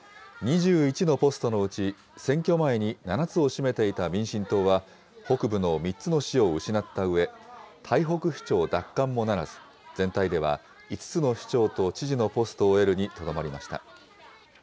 ２１のポストのうち、選挙前に７つを占めていた民進党は、北部の３つの市を失ったうえ、台北市長奪還もならず、全体では５つの市長と知事のポストを得るにとどまりました。